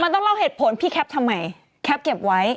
มันต้องเล่าเหตุผลพี่แคปทำไมแคปเก็บไว้